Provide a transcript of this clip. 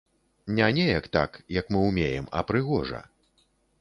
Не неяк так, як мы ўмеем, а прыгожа.